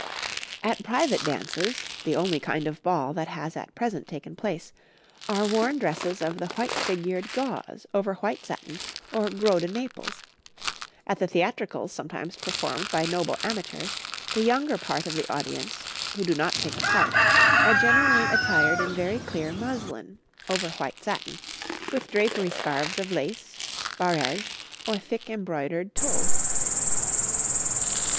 'At private dances, the only kind of ball that has at present taken place, are worn dresses of the white figured gauze over white satin or gros de Naples; at the theatricals sometimes performed by noble amateurs, the younger part of the audience, who do not take a part, are generally attired in very clear muslin, over white satin, with drapery scarves of lace, barêge, or thick embroidered tulle.